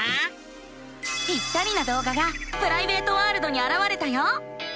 ぴったりなどうががプライベートワールドにあらわれたよ。